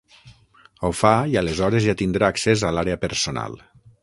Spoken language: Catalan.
Ho fa i aleshores ja tindrà accés a l'àrea personal.